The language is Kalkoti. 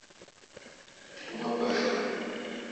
تو مہ پاݭہ۔